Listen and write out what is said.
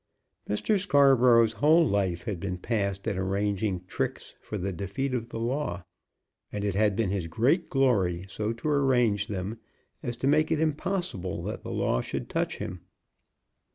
Mr. Scarborough's whole life had been passed in arranging tricks for the defeat of the law; and it had been his great glory so to arrange them as to make it impossible that the law should touch him.